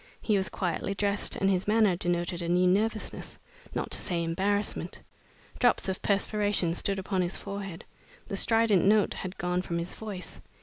He was quietly dressed, and his manner denoted a new nervousness, not to say embarrassment. Drops of perspiration stood upon his forehead. The strident note had gone from his voice.